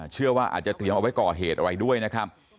เชื่อว่าอาจจะเตรียมเอาไว้ก่อเหตุอะไรด้วยนะครับ